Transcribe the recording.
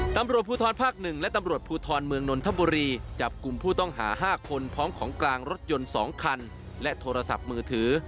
ตำรวจภูทรภาค๑และตำรวจภูทรเมืองนนทบุรีจับกลุ่มผู้ต้องหา๕คนพร้อมของกลางรถยนต์๒คันและโทรศัพท์มือถือ